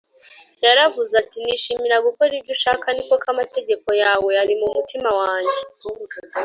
Yaravuze ati, “Nishimira gukora ibyo ushaka, ni koko amategeko yawe ari mu mutima wanjye